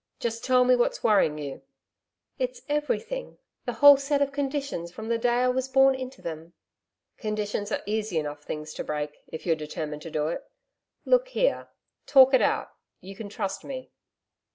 Just tell me what's worrying you?' 'It's everything the whole set of conditions from the day I was born into them.' 'Conditions are easy enough things to break, if you're determined to do it. Look here talk it out.... you can trust me.'